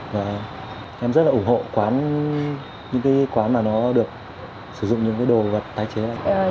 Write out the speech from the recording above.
và em rất là ủng hộ những cái quán mà nó được sử dụng những cái đồ vật tái chế